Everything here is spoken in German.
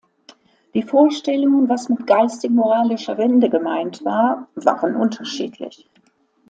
Die Vorstellungen, was mit „geistig-moralischer Wende“ gemeint war, waren unterschiedlich.